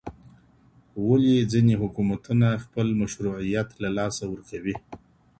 ولي ځينې حکومتونه خپل مشروعيت له لاسه ورکوي؟